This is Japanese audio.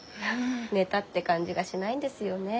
寝たって感じがしないんですよね。